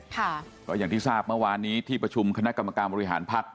ก็อย่างที่ทราบเมื่อวานนี้ที่ประชุมคณะกรรมการบริหารภักดิ